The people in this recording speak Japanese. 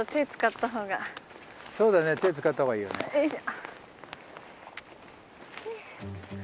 よいしょ！